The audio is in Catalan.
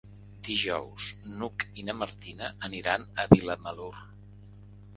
Dijous n'Hug i na Martina aniran a Vilamalur.